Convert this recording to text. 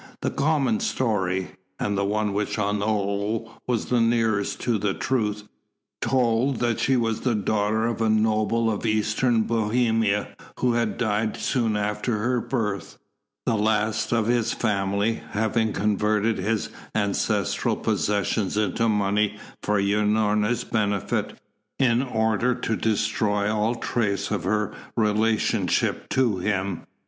The common story, and the one which on the whole was nearest to the truth, told that she was the daughter of a noble of eastern Bohemia who had died soon after her birth, the last of his family, having converted his ancestral possessions into money for Unorna's benefit, in order to destroy all trace of her relationship to him.